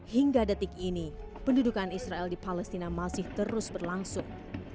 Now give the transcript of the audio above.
hingga detik ini pendudukan israel di palestina masih terus berlangsung